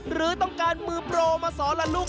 หรือต้องการมือโปรมาสอนละลูก